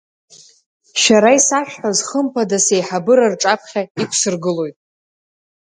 Шәара исашәҳәаз хымԥада сеиҳабыра рҿаԥхьа иқәсыргылоит.